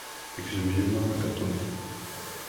Tegzem yemma agaṭu-nni.